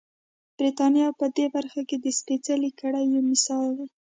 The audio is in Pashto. برېټانیا په دې برخه کې د سپېڅلې کړۍ یو مثال دی.